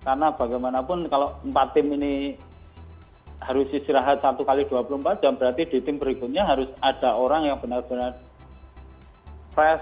karena bagaimanapun kalau empat tim ini harus istirahat satu x dua puluh empat jam berarti di tim berikutnya harus ada orang yang benar benar fresh